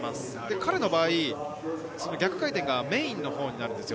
彼の場合、逆回転がメインのほうになるんですよ。